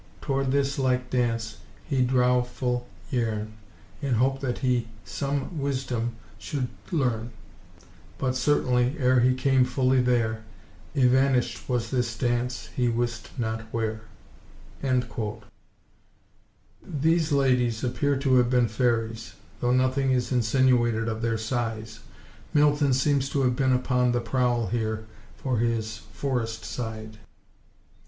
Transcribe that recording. Toward this ilke dance, he drow ful yerne, In hope that he som wisdom shulde lerne, But, certainly, er he came fully there, Yvanished was this dance, he wiste not wher." These ladies appear to have been fairies, though nothing is insinuated of their size. Milton seems to have been upon the prowl here for his "forest–side."